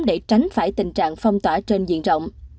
để tránh phải tình trạng phong tỏa trên diện rộng